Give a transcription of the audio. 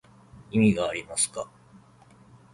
意味がありますか